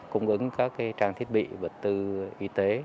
cung ứng các trang thiết bị vật tư y tế